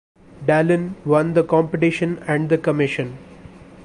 Dallin won the competition and the commission.